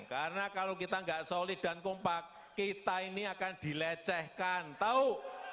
karena kalau kita enggak solid dan kompak kita ini akan dilecehkan tahu